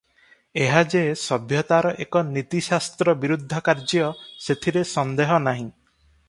ଏହା ଯେ ସଭ୍ୟତାର ଏକ ନୀତିଶାସ୍ତ୍ର ବିରୁଦ୍ଧ କାର୍ଯ୍ୟ ସେଥିରେ ସନ୍ଦେହ ନାହିଁ ।